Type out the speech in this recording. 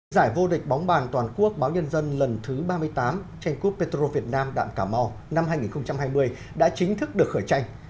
giải vô địch bóng bàn toàn quốc báo nhân dân lần thứ ba mươi tám tranh cúp petro việt nam đạm cà mau năm hai nghìn hai mươi đã chính thức được khởi tranh